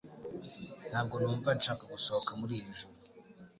Ntabwo numva nshaka gusohoka muri iri joro